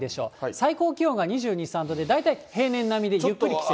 最高気温が２２、３度で、大体平年並みでゆっくり季節。